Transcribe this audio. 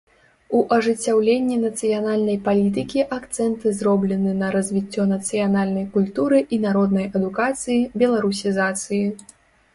У ажыццяўленні нацыянальнай палітыкі акцэнты зроблены на развіццё нацыянальнай культуры і народнай адукацыі, беларусізацыі.